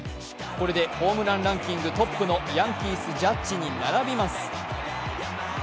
これでホームランランキングトップのヤンキース・ジャッジに並びます。